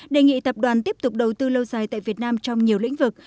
đề nghị tập đoàn tiếp tục đầu tư lâu dài tại việt nam trong nhiều lĩnh vực